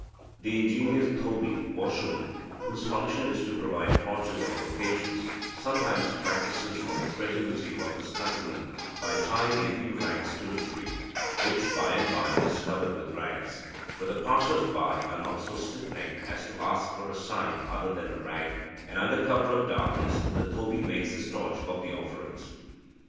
The ingenious dhobi (washerman), whose function is to provide torches on occasions, sometimes practises on the credulity of his countrymen by tying a few rags to a tree, which by and by is covered with rags, for the passers by are not so stiff necked as to ask for a sign other than a rag; and under cover of the darkness, the dhobi makes his torch of the offerings."